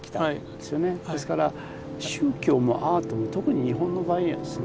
ですから宗教もアートも特に日本の場合にはですね